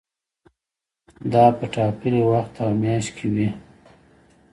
دا په ټاکلي وخت او میاشت کې وي.